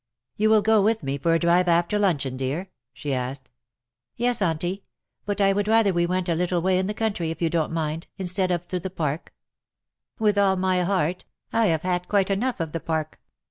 " You will go with me for a drive after luncheon, dear T' she asked. " Yes, Auntie — but I would rather we went a little way in the country, if you don''t mind, instead of to the Park." " With all my heart : I have had quite enough of the Park."